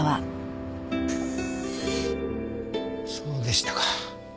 そうでしたか。